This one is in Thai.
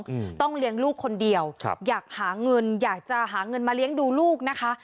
อืมต้องเลี้ยงลูกคนเดียวครับอยากหาเงินอยากจะหาเงินมาเลี้ยงดูลูกนะคะ